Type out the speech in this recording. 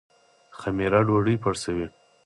خمیره ډوډۍ پړسوي